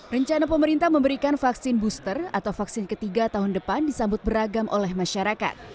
rencana pemerintah memberikan vaksin booster atau vaksin ketiga tahun depan disambut beragam oleh masyarakat